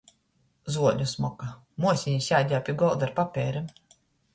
Zuoļu smoka. Muoseņa sēdēja pi golda ar papeirim.